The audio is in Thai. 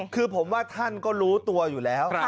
คือผมว่าท่านก็รู้ตัวอยู่แล้ว